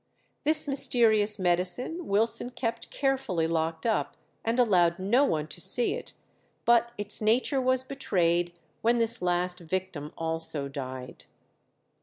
This mysterious medicine Wilson kept carefully locked up, and allowed no one to see it, but its nature was betrayed when this last victim also died.